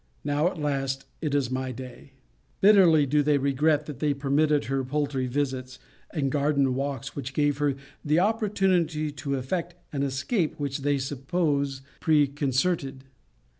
Now, at last, it is my day! Bitterly do they regret, that they permitted her poultry visits, and garden walks, which gave her the opportunity to effect an escape which they suppose preconcerted.